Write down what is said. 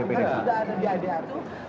tidak itu sudah ada di hadir